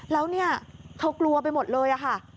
แล้วเนี่ยเธอกลัวไปหมดเลยค่ะ